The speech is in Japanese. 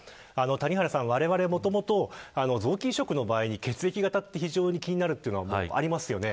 谷原さん、われわれもともと臓器移植の場合、血液型は非常に気になるというのがありますよね。